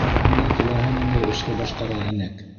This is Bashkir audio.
Унда теләһә ниндәй эште башҡара инек.